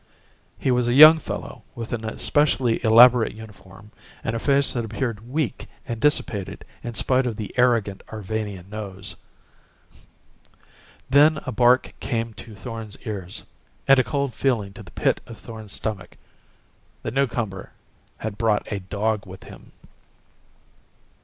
He was a young fellow with an especially elaborate uniform and a face that appeared weak and dissipated in spite of the arrogant Arvanian nose. Then a bark came to Thorn's ears and a cold feeling to the pit of Thorn's stomach. The newcomer had brought a dog with him!